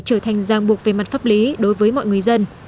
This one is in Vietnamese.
trở thành giang buộc về mặt pháp lý đối với mọi người dân